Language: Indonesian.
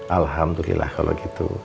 alhamdulillah kalau gitu